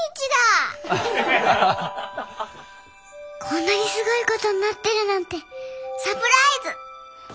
こんなにすごいことになってるなんてサプライズ！